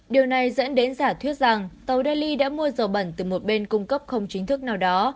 điều này dẫn đến giả thuyết rằng tàu daily đã mua dầu bẩn từ một bên cung cấp không chính thức nào đó